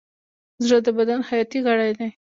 زړه د بدن حیاتي غړی دی.